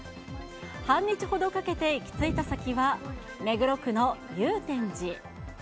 半日ほどかけて行き着いた先は、目黒区の祐天寺。